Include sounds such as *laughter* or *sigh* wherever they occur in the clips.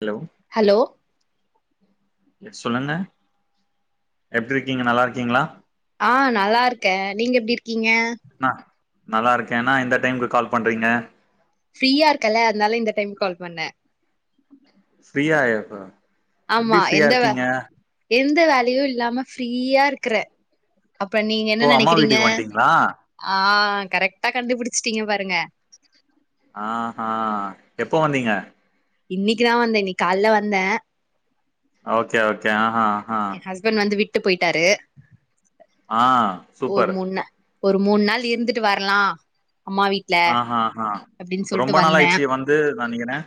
Hello hello yes சொல்லுங்க எப்டி இருக்கிங்க நல்லாருக்கிங்ளா ஆ நல்லாருக்கே நீங்க எப்டி இருக்கிங்க ஆ நல்லா இருக்கே என்னா இந்த டைம்க்கு கால் பண்றிங்க ஃப்ரீயா இருக்கல்ல அதனால இந்த டைம்க்கு கால் பண்ண ஃப்ரீயா ஆயிருக்கும் ஆமா எந்த வே எந்த வேலையும் இல்லாம ஃப்ரீயா இருக்கற அப்ப நீங்க என்ன ஓ அம்மா நெனைக்கிறீங்க வீட்டுக்கு வந்ட்டீங்களா ஆ கரெக்டா கண்டுபிடிச்சிட்டிங்க பாருங்க ஆ ஹா எப்ப வந்திங்க இன்னிக்குதா வந்த இன்னிக்கு காலல வந்தே ஓகே ஓகே அஹா அஹா ஈவன் வந்து விட்டு போயிட்டாரு ஆ ஒரு சூப்பர் மூண் நா ஒரு மூணு நாள் இருந்துட்டு வரலா அம்மா வீட் ஆஹா ஆஹா அப்டின் சொல்ட்டு ரொம்ப நாள் வந்தே ஆயிடுச்சு வந்து நா நெனைக்கிறே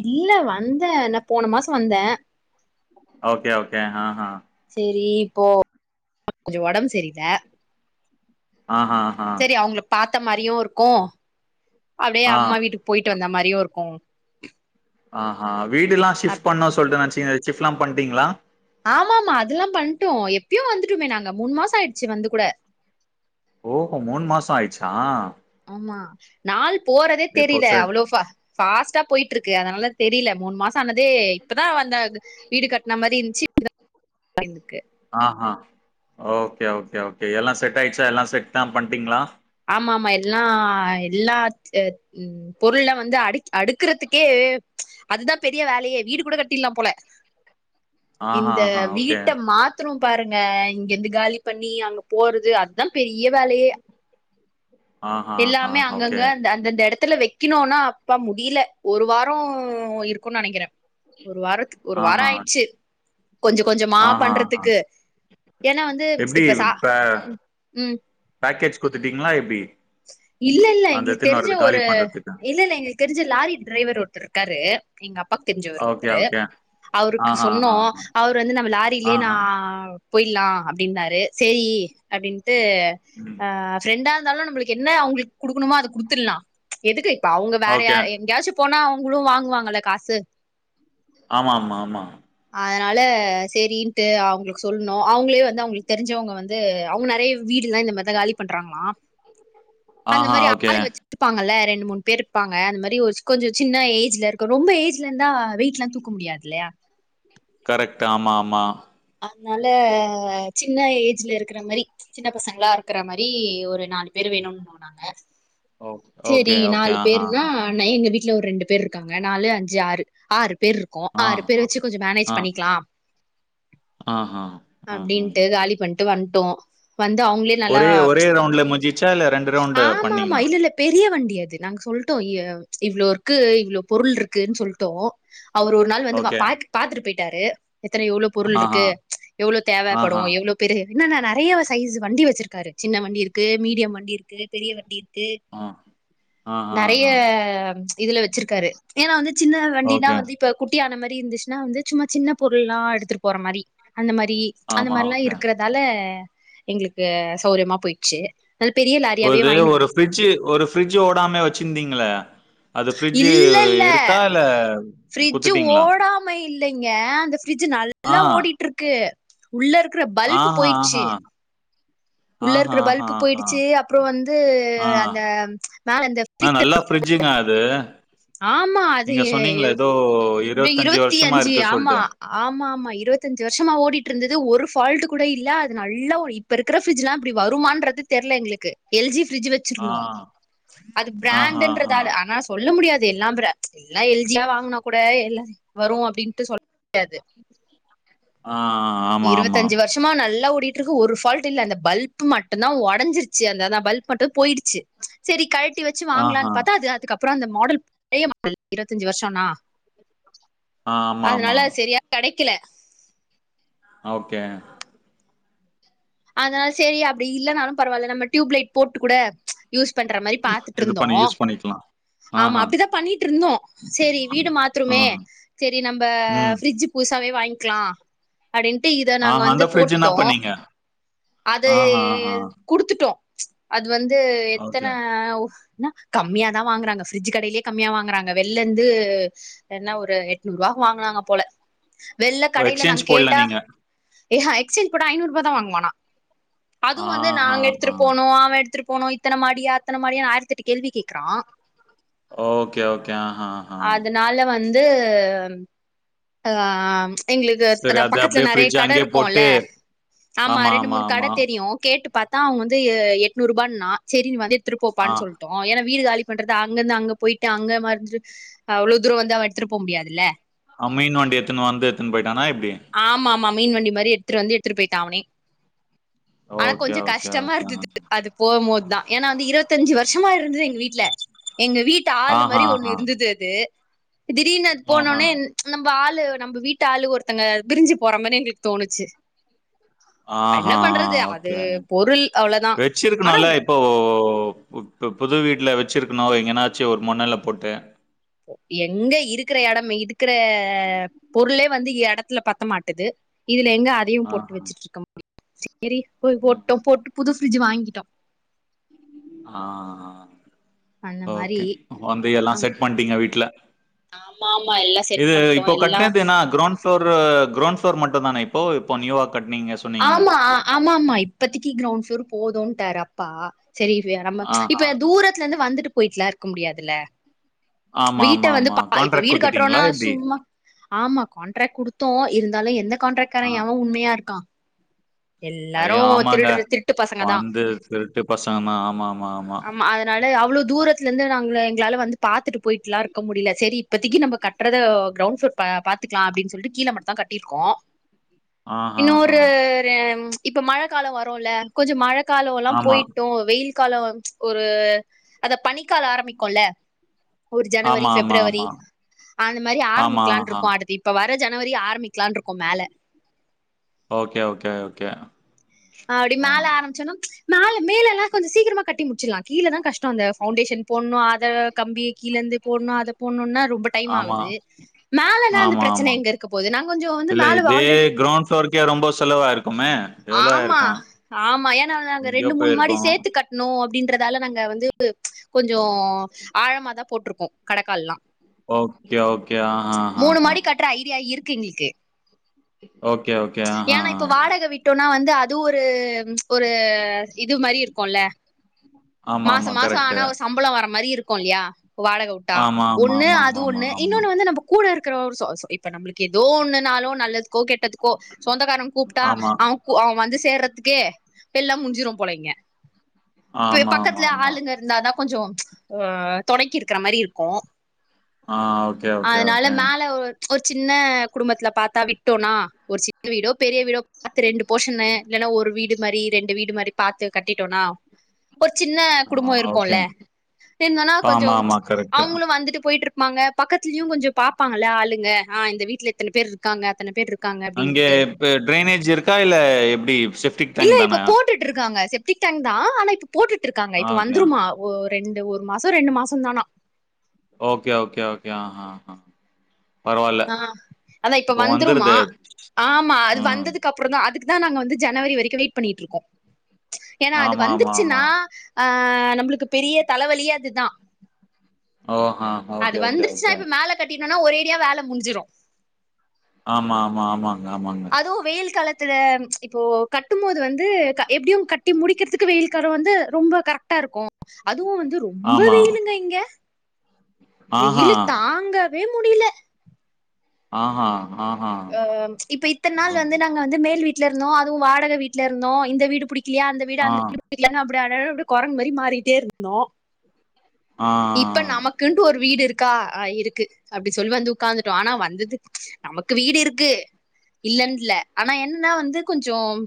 இல்ல வந்தே நா போன மாச வந்தே ஓகே ஓகே ஹா ஹா சேரி இப்போ கொஞ்ச ஒடம்பு செரில்ல ஆஹா ஆஹா சரி அவங்க பாத்த மாரியும் இருக்கும் அப்டியே ஆ அம்மா வீட்டு போயிட்டு வந்த மாரியும் இருக்கும் ஆ ஹ வீடுல்லா ஷிஃப்ட் பண்ணோன் சொல்லிட்டு நனச்சீங்க ஷிப்ட்ல்லா பண்ணிட்டீங்களா ஆமா ஆமா அதெல்லா பண்ட்டோ எப்பயோ வந்துட்டமே நாங்க மூணு மாசம் ஆயிடுச்சு வந்து கூட ஓ மூணு மாசம் ஆயிடுச்சா ஆமா நாள் போறதே இப்போ தெரியல சரி அவ்வளோ பாஸ் பாஸ்ட்டா போயிட்டு இருக்கு அதனால தெரியல மூணு மாசம் ஆனதே இப்பதா வந்த வீடு கட்டின மாரி இருந்துச்சு ந்துக்கு ஆ ஹ ஓகே ஓகே ஓகே எல்லா செட் ஆயிடுச்சா எல்லா செட்ல்லா பண்ட்டீங்களா ஆமா ஆமா எல்லா எல்லாத் பொருள்ல்லா வந்து அடு அடுக்கறதுக்கே அதுதா பெரிய வேலயே வீடு கூட கட்டிடலா போல ஆஹா, இந்த ஆஹா. ஓகே. வீட்ட மாத் த்திரோ பாருங்க இங்கந்து காலி பண்ணி அங்க போறது அதா பெரிய வேலையே ஆஹா, ஆஹா. எல்லாமே ஓகே. அங்கங்க அந்த அந்தந்த எடத்துல வைக்கணுன்னா அப்பா முடியல ஒரு வாரோ இருக்குன்னு நெனைக்கிறே ஒரு வாரத்துக்கு ஒரு வாரோ ஆஹா. ஆயிடுச்சு கொஞ்ச கொஞ்சமா ஆஹா, ஆஹா. பண்றதுக்கு ஏன்னா வந்து எப்டி இப்ப சா பே ம் பேக்கேஜ் குடுத்துட்டீங்களா எப்டி இல்ல இல்ல அந்த எங்களுக்கு எடுத்துன்னு தெரிஞ்ச வரது காலி ஒரு பண்றதுக்கு. இல்ல இல்ல எங்களுக்கு தெரிஞ்ச லாரி டிரைவர் ஒருத்தர் இருக்காரு எங்க அப்பாக்கு தெரிஞ்சவரு ஓகே, ஒருத்தரு ஓகே. அவருக்கு ஆஹா, சொன்னோ ஆஹா, ஆஹா. அவர் வந்து நம்ம லாரிலயே நா ஆஹா. போயலா அப்டின்னாரு செரி அப்டின்ட்டு ம். ஆ ஃப்ரெண்டா இருந்தாலும் நம்மளுக்கு என்ன அவங்களுக்கு குடுக்கணமோ அது குடுத்துடலாம் எதுக்கு இப்ப அவங்க வேற ஓகே. எங்கயாச்சும் போனா அவங்களும் வாங்குவாங்கல்ல காசு ஆமா ஆமா ஆமா அதனால சரின்ட்டு அவங்களுக்கு சொல்லணும் அவங்களே வந்து அவங்களுக்கு தெரிஞ்சவங்க வந்து ந்து அவங்க நெறைய வீடுல்லா இந்த மாரிதா காலி பண்றாங்களா அந்த ஆஹா. மாரி ஓகே. ஆளுங்க வச்சு இருப்பாங்கல்ல ரெண்டு மூணு பேர் இருப்பாங்க அந்த மாதிரி ஒரு கொஞ்ச சின்ன ஏஜ்ல இருக்கும் ரொம்ப ஏஜ்ல இருந்தா வெயிட்ல்லா தூக்க இருக்க முடியாதுல்லையா கரெக்ட் ஆமா ஆமா அதனால சின்ன ஏஜ்ல இருக்கிற மாரி சின்ன பசங்களா இருக்கற மாரி ஒரு நாலு பேர் வேணும் போனாங்க ஓ சரி ஓகே, ஓகே. நாலு ஆஹா, பேருனா ஆஹா. நை எங்க வீட்ல ஒரு ரெண்டு பேர் இருக்காங்க நாலு அஞ்சு ஆறு ஆறு பேர் இருக்கோ ஆ, ஆறு பேர் வச்சு கொஞ்சம் ஆ, மேனேஜ் பண்ணிக்கலா ஆஹா ம்ஹ்ம். அப்படின்ட்டு காலி பண்ட்டு வண்ட்டோ வந்து அவங்களே நல்லா ஒரே ஒரே ரவுண்ட்ல முஞ்சிச்சா இல்ல ரெண்டு ரவுண்ட் ஆமாமா. பண்ணீங்கன்னா இல்ல, இல்ல. பெரிய வண்டி அது நாங்க சொல்ட்டோ எ இவ்வளோ இருக்கு இவ்வளோ பொருள் இருக்குன்னு சொல்ட்டோ அவரு நாள் வந்து வா பாத் பாத்துட்டு போயிட்டாரு எத்தன எவ்ளோ பொருள் இருக்கு எவ்ளோ தேவப்படும் எவ்வளோ பெரிய என்னன்னா நெறைய சைசு வண்டி வச்சிருக்காரு சின்ன வண்டி இருக்கு மீடியம் வண்டி இருக்கு பெரிய வண்டி இருக்கு ஆ நெறைய இதுல வச்சிருக்காரு ஏன்னா வந்து சின்ன வண்டினா ஓகே. வந்து இப்ப குட்டியான மாரி இருந்துச்சுன்னா வந்து சும்மா சின்ன பொருள்ல்லா எடுத்துட்டு போற மாரி அந்த மாரி அந்த ஆமா, மாரில்லா ஓகே. இருக்கிறதால எங்களுக்கு சௌரியமா போயிடுச்சு அது பெரிய லா ஒருது ஒரு ஃப்ரிட்ஜு ஒரு ஃப்ரிட்ஜ் ஓடாமே வச்சிருந்தீங்களே அது ஃப்ரிட்ஜு இல்ல, இல்ல. இருக்கா இல்ல குத்துட்டீங்களா ம்ம இல்லைங்க அந்த ஃப்ரிட்ஜ் நல்லா ஆ. ஓடிட்டு இருக்கு உள்ள இருக்கற பல்ப் ஆஹா! போயிடுச்சு ஆஹா! உள்ள ஆஹா! இருக்கிற ஆஹா! பல்ப் ஆஹா! போயிடுச்சு அப்பற வந்து ஆ. அந்த அ பிரிட்ஜுங்கா அது ஆமா அது நீங்க சொன்னீங்களே ஏதோ இப்படிய இருவத்தி வருஷமா அஞ்சு இருக்கு ஆமா சொல்ட்டு. ஆமா ஆமா இருவத்தஞ்சு வருஷமா ஓடிட்டு இருந்தது ஒரு ஃபால்ட் கூட இல்ல அது ஒரு இப்ப இருக்க பிரிஜ்ஜுட்லா இப்ப வருமான்றது தெரியல எங்களுக்கு எல் ஜி பிர்ஜ் வச்சு ஆ அது ஆஹாஹா! பிராண்டுன்றதா ஆனால சொல்ல முடியாது எல்லாம் பிரா எல்லா எல் ஜியா வாங்கனா கூட எல்ல வரு அப்டின்ட்டு சொ *inaudible* முடியாது ஆ ஆமா ஆமா கஷமா நல்லா ஓட்ருக்கு ஒரு ஃபால்ட்டு இல்ல அந்த பல்ப் மட்டுந்தா ஒடைஞ்சிருச்சு அந்தா பல்ப் மட்டு போயிடுச்சு சரி கழட்டி வச்சு ஆஹா! வாங்கலான்னு பாத்தா அது அதுக்கப்பற அந்த மாடல் பழைய மாடல் இருவத்தஞ்சு வருஷம்னா ஆ அதனால ஆமாமா. சரியா கெடைக்கல ஓகே அதனால சரி அப்டி இல்லைனாலு பரவால்ல நம்ம டியூப்லைட் போட்டு கூட யூஸ் பண்ற மாரி இது பாத்துட்ருந்தோ பண்ணி யூஸ் பண்ணிக்கலாம். ஆமா ஆஹா! அப்படிதா பண்ணிட்ருந்தோ சரி வீடு ஆ. மாத்தருமே சரி நம்ம ம். ஃரிட்ஜு புதுசாவே வாங்கிக்கலா அப்படின்ட்டு இத நாங்க ஆஹா வந்து அந்த ஃப்ரிட்ஜ் என்ன போட்டோ பண்ணீங்க? அது ஆஹா, ஆஹா. குடுத்துட்டோ அது வந்து எத்தனை ஓகே. என்ன கம்மியாதா வாங்குறாங்க ஃரிட்ஜ்ஜு கடையிலயே கம்மியா வாங்குறாங்க வெளில இருந்து என்னா ஒரு எட்நூறு ரூவா வாங்னாங்க போல வெள்ள ஓ கடையில நாங்க எக்ஸ்சேஞ்ச் போடல கேட்டா நீங்க. ஏ ஹை எக்செல் ஐநூறு ரூபா தா வாங்குவானா அது வந்து நாங்க ஆஹாஹா. எடுத்துட்டு போனோ அவ எடுத்துட் போனோ இத்தனை மாடி அத்தனை மாடியா ஆயிரத்திட்டு கேள்வி கேட்கறா ஓகே ஓகே ஆஹா ஹா கால்ல வந்து ஆ பிள்ளைங்களுக்கு *inaudible* சரி அது அந்த அப்படியே நெறைய ஃப்ரிட்ஜ் கடை அங்கேயே இருக்கும்ல போட்டு ஆமா ரியு கேட்டு பாத்தா அவ வந்து எட்று ரூபான்னா சரி வந்து எடுத்துட்டு ஆ. போப்பான்னு சொல் ஏன்னா வீடு காலி பண்றது அங்க இருந்து அங்க போயிட்டு அங்க மறந்துட்டு அவ்ளோ தூர வந்து அவ எடுத்துட்டு போ முடியாதுல்ல ஆ மீன் வண்டி எத்துன்னு வந்து எத்துன்னு போயிட்டானா இப்படி ஆமா ஆமா மீன் வண்டி மாரி எடுத்துட்டு வந்து எடுத்துட்டு போய்ட்டா அவனே ஆனா ஓகே, கொஞ்ச ஓகே, கஷ்டமா ஓகே. இருந்தது அது போகும்போது தா ஏன்னா வந்து இருவத்தஞ்சு வருஷமா இருந்தது எங்க வீட்ல எங்க வீட் ட்டு ஆள் ஆஹா, மாரி ஒண்ணு ஆஹா. இருந்தது அது இப்போ திடிர்னு அது ஆஹா. போனோனே நம்ப ஆளு நம்ப வீட்டு ஆளு ஒருத்தங்க பிரிஞ்சு போற மாறி எங்களுக்கு தோணுச்சு ஆ ஹா என்ன பண்றது அது ஓக்கே பொருள் அவ்ளோதான். ஆனா வச்சிருக்கணுல்ல இப்போ இப்போ இப்ப புது வீட்ல வச்சிருக்கணு எங்கனாச்சு ஒரு மண்ணுல்ல போட்டு எங்க இருக்கற இடமே இருக்கற பொருளே வந்து எடத்துல பத்தமாட்டது இதுல எங்க அதையு போட்டு ஆஹா. வச்சுட்டு இருக்க முடியு சேரி போய் ம். போட்டோ போட்டு புது ஃப்ரிட்ஜ் வாங்கிட்டோ ஆ அந்த மாரி ஓக்கே வந்து எல்லா செட் பண்ட்டீங்க வீட்ல ஆமா ஆமா எல்லா செட் இது பண்ட்டோ இப்போ எல்லா கட்டினதுன்னா கிரௌண்ட் ஃபோர்ரு கிரௌண்ட் ஃப்ளோர் மட்டுந்தான இப்போ இப்போ நியூவா கட்னீங்க சொன்னீங்களே? ஆமா ஆமா ஆமா இப்பத்தக்கு கிரௌண்ட் ப்ளோர் போதும்ட்டாரு அப்பா சரி இது வேற மா ஆ, ஆ. இப்ப தூரத்துல இருந்து வந்துட்டு போயட்டுலா இருக்க முடியாதுல ஆமா, ஆமா, வீட்ட வந்து ஆமா. பா இப்ப கான்ட்ராக்ட் வீடு குடுத்துட்டீங்களா கட்றோம்னா எப்படி? சும்மா ஆமா காண்ட்ராக்ட் குடுத்தோ இருந்தாலு எந்த காண்ட்ராக்ட் கார ஆ. எவன் உண்மையா இருக்கா எல்லாரு ஐயோ! ஆமாங்க. திருட்ற திருட்டு பசங்க தா வந்து திருட்டு பசங்க தான். ஆமா, ஆமா, ஆமா அத நடை அவ்ளோ தூரத்துல இருந்து நாங்க எங்களால வந்து பாத்துட்டு போயிட்ல்லா இருக்க முடில சேரி இப்பத்திக்கு நம்ப கட் கட்றது கிரௌண்ட் ஃப்ளோர் பா பாத்துக்கலா அப்படின் சொல்ட்டு கீழ மட்டுந்தா கட்டியிருக்கோ ஆஹஹா. இன்னொரு இப்ப மழ காலோ வரும்ல்ல கொஞ்சோ மழ காலோ எல்லா ஆமா. போயிட்டும் வெயில் காலோ ஒரு அந்த பனிக் காலோ ஆரம்பிக்குல்ல ஒரு ஜனவரி ஆமா, ஆமா, ஃபெப்ரவரி ஆமா. அந்த மாறி ஆமா, ஆரம்பிக்கலான்னு ஆஹா. இருக்கோ அடுத்த இப் ப்ப வர ஜனவரி ஆரம்பிக்கலான்னு இருக்கோ மேல ஓக்கே ஓக்கே ஓக்கே அப்டி மேல ஆரபிச்சன்னா மேல மேல எல்லா கொஞ்சோ சீக்கிரமா கட்டி முடிச்சிட்லா கீழதா கஷ்டம் அந்த பவுண்டேஷன் போட்ணு அத கம்பிய கீழ இருந்து போட்ணு அத போட்ணுன்னா ரொம்ப டைம் ஆமா. ஆவுது மேலன்னா அந்த ஆமா, ஆமா. பிரச்சனை எங்க இருக்க போது நா கொஞ்சோ வந்து மேல ஆல்ரெடி த்தோ இருக்கே ரொம்ப செலவாயிருக்குமே எவ்ளோ மா ஆமா ஏன்னா நாங்க ரெண்டு மூனு மாடி போயிருக்கும். சேத்து கட் னோ அப்டின்றதால நாங்க வந்து கொஞ்சோ ஆழமாதா போட்ருக்கோ கடக்கால்லா ஓக்கே ஓக்கே ஆ ஹா ஹா மூணு ஹா மாடி கட்ற ஐடியா இருக்கு எங்களுக்கு ஓக்கே ஓக்கே ஆ ஹா ஹ ட்டோனா வந்து அதுவு ஒரு ஒரு இது மாறி இருக்குல்ல ஆமா, ஆமா. மாசம் மாசம் கரெக்ட்டு. ஆனா ஒரு சம்பளம் வர மாறி இருக்கும் இல்லயா வாடகைவுட்டா ஆமா, ஆமா, ஒன்னு ஆமா, அது ஆமா, ஒன்னு ஆமா, ஆமா. இன்னொன்னு வந்து நம்ப கூட இருக்கற ஒரு சொ சொ இப்ப நம்பளுக்கு ஏதோ ஒன்னுன்னாலோ நல்லதுக்கோ கெட்டதுக்கோ சொந்தகாரங்க கூப்ட்டா ஆமா. அவன் கு அவன் வந்து சேர்றதுக்கே எல்லா முடிஞ்சிரும் போல இங்க இப்ப ஆமா, ஆமா, பக்கத்துல ஆமா. ஆளுங்க இருந்தாதா கொஞ்சோ துணைக்கு இருக்கற மாறி இருக்கும் ஆ ஓகே, ஓகே, அதனால ஓகே. மேல ஒரு சின்ன குடும்பத்துல பாத்தா விட்டோனா ஒரு சின்ன வீடோ பெரிய வீடோ பாத்து ரெண்டு போஷன்னு இல்லன்னா ஒரு வீடு மாறி ரெண்டு வீடு மாறி பாத்து கட்டிட்டோனா ஒரு சின்ன ஆ குடும்பம் இருக்குல்ல ஓகே. இருந்தன்னா கொஞ்சோ ஆமா, ஆமா. கரெக்ட்டு. அவங்களும் வந்துட்டு போயிட்டு இருப்பாங்க பக்கத்துலயு கொஞ்சோ பாப்பாங்கல்ல ஆளுங்க ஆ இந்த வீட்ல இத்தனை பேர் இருக்காங்க அத்தனை பேர் இரு அங்கே இப்ப ட்ரைனேஜ் இருக்கா இல்ல எப்டி செப் இல்ல இப்ப போட்டுட்டு இருக்காங்க செப்டிக் டேங் தா ஆனா இப்ப போட்டுட்டு இருக்காங்க ஆ இப்ப ஓகே. வந்துருமா ஓ ரெண்டு ஒரு மாசம் ரெண்டு மாசம் தானா ஓகே ஓகே ஓகே ஆ ஹா ஆ ஆ அதா இப்ப இப்போ வந்துருமா வந்துருது. ஆமா அது ம். வந்ததுக்கப் ப்புறுந்தா அதுக்குதா நாங் வந்து ஜனவரி வரைக்கு வெய்ட் பண்ணிட்ருக்கோ ஏனா அது ஆமா, ஆமா, வந்துர்ச்சின்னா ஆமா. ஆ நம்ளுக்கு பெரிய தலவலியே அதுதா ஓ ஹா அது ஓகே ஓகே வந்துருச்சுன்னா ஓகே இப்ப மேல கட்டிட்டோனா ஒருரேடியா வேல முஞ்சிரு ஆமா ஆமா ஆமாங் ஆமாங் அதோ வெயில் காலத்துல இப்போ கட்டும் மோது வந்து க எப்டியு கட்டி முடி க்கிற்த்துக்கு வெய்ல் காரோ வந்து ரொம்ப கரக்ட்டா ருக்கு அதுவு வந்து ரொம்ப ஆமா. வெயிலுங்க இங்க ஆஹா வெயிலு தாங்கவே முடில ஆ ஹா இப்ப இத்தனை நாள் வந்து நாங்க வந்து மேல் வீட்ல இருந்தோ அதுவு வாடக வீட்ல இருந்தோ இந்த வீடு புடிக் கலயா அந்த வீடு ஆ அந்த அப்ப புடிக்கலன்னா அப்டியே அழகா குரங்கு மாறி மாறிட்டே இருந்தோ னோ ஆ இப்ப நமக் க்குன்ட்டு ஒர் வீட் இருக்கா ஆ இருக்கு அப்டி சொல் வந்து உக்காந்துட்டோ ஆனா வந்ததுக் நமக் க்கு வீடிருக்கு இல்லன்ன்ல ஆனா என்னுன்னா வந்து கொஞ்சும்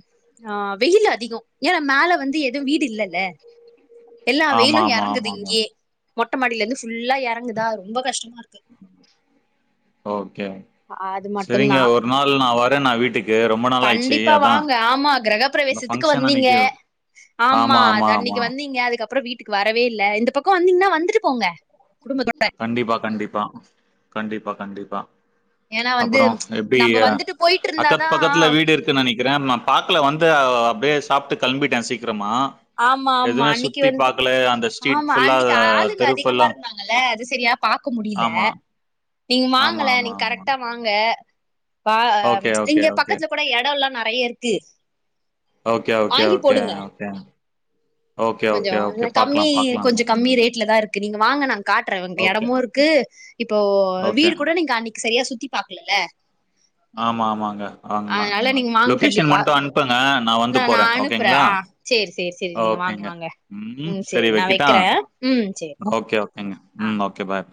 ஆ வெயில்லு அதிகோ ஏஅ மேல வந்து எதும் வீடு இல்லல்ல எல்லா ஆமா வெய்லு ஆமா எறங்குது ஆமாங்க இங்யே மொட்டமாடில இந்து ஃபுல்லா எறங்குதா ரொம்ப கஷ்டமா ருக்கு ஓகே அது சரிங்க மட்டுந்தா ஒர் நாள் நா வரே நா வீட்டுக் கண்டிப்பா வாங்க ஆமா க்ரகப இந்த ப்ரவேசத்துக்கு ஃபங்க்ஷன் வந்தீங்க அன்னைக்கு ஆமா அத் அன்னிக் வந்து இங்க அதுக்கப்றோ வீட் த்திக் வரவே இல்ல இந்த பக்கோ வந்தீங்னா வந்துட்டு போங்க குடும்பத்தோட்ட கண்டிப்பா கண்டிப்பா கண்டிப்பா கண்டிப்பா ஏன்னா வந்து அப்பறோ நம்ம எப்டிய வந்துட்டு போயிட்டு அக்கத் இருந்தாதா பக்கத்ல வீட் இர் க்கு நெனிக்கிறே நா பாக்ல வந்து ஆவ் அப்டே சாப்ட்டு கள்ம்பிட்டே சீக்ரமா ஆமா ஆமா எதுமே அன்னைக்கு சுத்தி வந்து பாக்கல அந்த ஸ்ட்ரீட் ஃபுல்லா தெரு ஃபுல்லா அல்ல அது சரியா பாக்கு முடில ஆமா நீங்கு ஆமா மாங்கல ஆமா நீங் ஆமா கரட்டா வாங்க பா அம் ஓகே ஓகே இங்கே ஓகே பக்கத்ல கூட எடோல்லான் நறைய இர்க்கு ஓகே ஓகே ஓகே அ ஓகே ஓகே, கொஞ்சோ ஓகே, ஓகே. ஆன கம்மி பாக்கலாம், பாக்கலாங்க. கொஞ்சு கம்மி ரேட்ல தாய்ரு க்கு நீங்க வாங்க நாங் காட்ற உங் ஓகே, எடமூ ருக்கு இப்போ ஓகே. வீடு கூட நீங் காமி சரியா சுத்தி பாக்குலல்ல ஆமா ஆமாங்க வாங்குமா அதனால நீங்க வாங்க லொகேஷன் கண்டிப்பா மட்டு அன்ப்புங்க நா வந்து போறே ஓகேங்ளா ச்சேர் சே செரி நீங்க வாங் வாங்க ம் ச்சேரி சரி நா வைக்கட்டா? வக்றே ம் ச்சேர் ஓகே ஓகேங்க ம் ஓகே பாய்